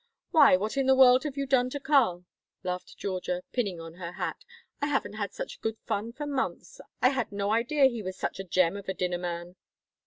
"Why, what in the world have you done to Karl?" laughed Georgia, pinning on her hat. "I haven't had such good fun for months. I had no idea he was such a gem of a dinner man."